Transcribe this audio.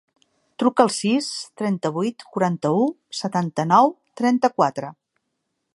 Truca al sis, trenta-vuit, quaranta-u, setanta-nou, trenta-quatre.